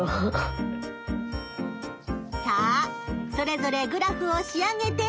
さあそれぞれグラフを仕上げて。